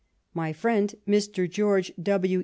My friend Mr. George W.